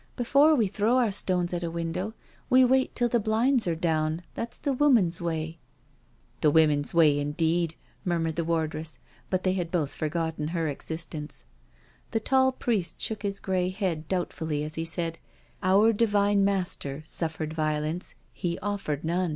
Before we throw our stones at a window we wait till the blinds are down — that's the woman's way." ." The woman's way, indeed," murmured the ward ress, but they had both forgotten her existence. The tall priest shook his grey head doubtfully as he said: "Our Divine Master suffered violence, He offered none."